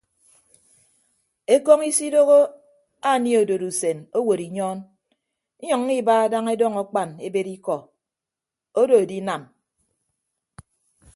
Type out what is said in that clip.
Ekọñ isidooho anie odod usen owod inyọọn inyʌññọ iba daña edọñ akpan ebed ikọ odo edinam.